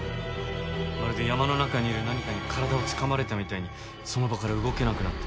まるで山の中にいる何かに体をつかまれたみたいにその場から動けなくなって。